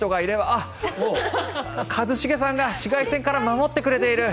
あっ、一茂さんが紫外線から守ってくれている！